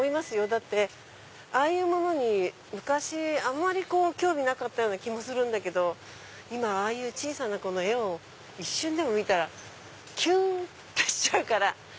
だってああいうものに昔あんまり興味なかった気もするんだけど今ああいう小さな子の絵を一瞬でも見たらきゅん！ってしちゃうから。